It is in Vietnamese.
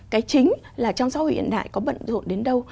cái chính là trong xã hội hiện đại có bận rộn đến đâu